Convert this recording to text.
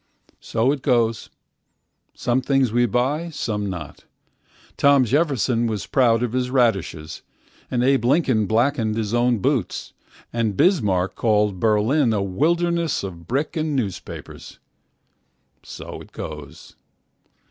So it goes. Some things we buy, some not. Tom Jefferson was proud of his radishes, and Abe Lincolnblacked his own boots, and Bismarck called Berlin a wilderness of brick and newspapers. So it goes.